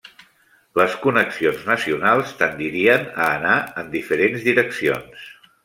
Les connexions nacionals tendirien a anar en diferents direccions.